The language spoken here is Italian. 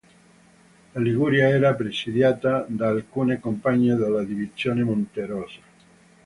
La Liguria era presidiata da alcune compagnie della Divisione "Monterosa".